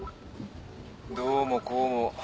どうもこうも。